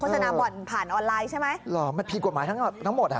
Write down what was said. โฆษณาบ่อนผ่านออนไลน์ใช่มั้ยเอ่อมันพี่กฎหมายทั้งทั้งหมดอ่ะ